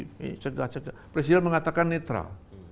ini cegah cegah presiden mengatakan netral